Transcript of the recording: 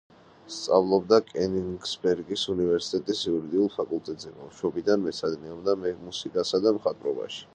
სწავლობდა კენიგსბერგის უნივერსიტეტის იურიდიულ ფაკულტეტზე, ბავშვობიდან მეცადინეობდა მუსიკასა და მხატვრობაში.